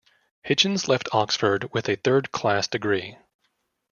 Hitchens left Oxford with a third-class degree.